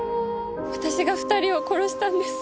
私が２人を殺したんです。